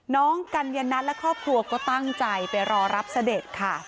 กัญญนัทและครอบครัวก็ตั้งใจไปรอรับเสด็จค่ะ